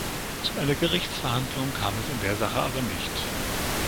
Zu einer Gerichtsverhandlung kam es in der Sache aber nicht.